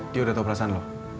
dia udah tau perasaan loh